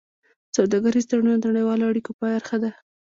سوداګریز تړونونه د نړیوالو اړیکو برخه ده.